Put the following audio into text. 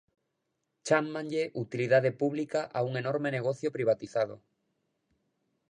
Chámanlle utilidade pública a un enorme negocio privatizado.